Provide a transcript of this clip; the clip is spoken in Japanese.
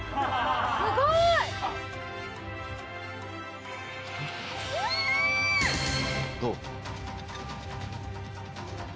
すごい！どう？